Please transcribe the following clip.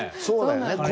そうだよね。